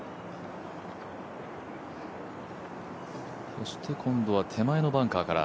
そして今度は手前のバンカーから。